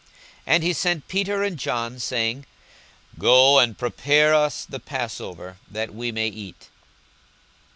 42:022:008 And he sent Peter and John, saying, Go and prepare us the passover, that we may eat.